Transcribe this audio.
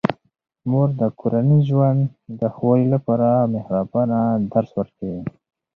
مور د کورني ژوند د ښه والي لپاره د مهربانۍ درس ورکوي.